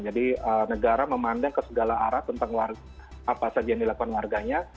jadi negara memandang ke segala arah tentang apa saja yang dilakukan warganya